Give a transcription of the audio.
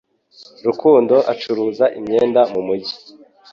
rukundo acuruza imyenda mu mugi